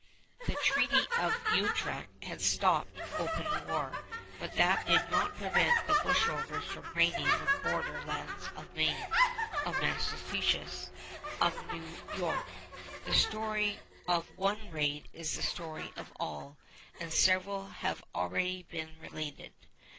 The Treaty of Utrecht had stopped open war, but that did not prevent the bushrovers from raiding the border lands of Maine, of Massachusetts, of New York. The story of one raid is the story of all, and several have already been related.